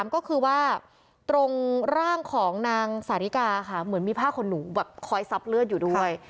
ก็คือว่าตรงร่างของนางสาธิกาค่ะเหมือนมีผ้าขนหนูแบบคอยซับเลือดอยู่ด้วย